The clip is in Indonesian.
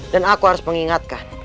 dan aku harus mengingatkan